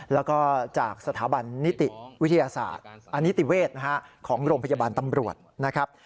แล้วก็จากสถาบันนิติเวทของโรงพยาบาลตำรวจนะครับ